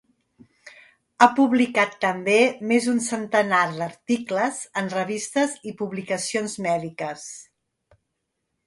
Ha publicat també més d'un centenar d'articles en revistes i publicacions mèdiques.